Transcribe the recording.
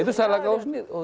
itu salah kau